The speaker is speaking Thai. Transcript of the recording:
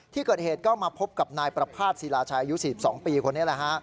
ที่เกิดเหตุก็มาพบกับนายประภาษณศิลาชัยอายุ๔๒ปีคนนี้แหละฮะ